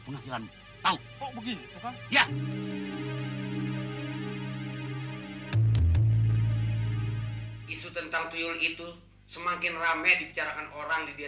penghasilan tahu kok begitu pak ya isu tentang tuyul itu semakin ramai dipercarakan orangnya